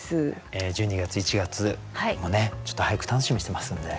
１２月１月もねちょっと俳句楽しみにしてますので。